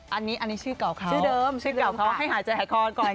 อันนี้อันนี้ชื่อเก่าค่ะชื่อเดิมชื่อเก่าเขาให้หายใจหายคอก่อน